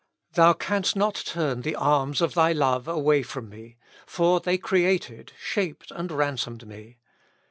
Thou canst not turn the arms of thy love away from me, for they created, shaped, and ransomed me.